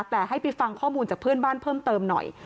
แต่ให้ไปฟังข้อมูลจากเพื่อนบ้านเพิ่มเติมหน่อย